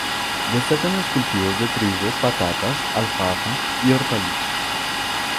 Destacan los cultivos de trigo, patatas, alfalfa y hortalizas.